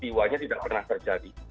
siwanya tidak pernah terjadi